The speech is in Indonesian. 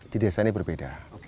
di desa ini berbeda